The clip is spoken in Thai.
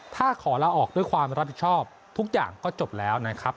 ถ้าขอลาออกด้วยความรับผิดชอบทุกอย่างก็จบแล้วนะครับ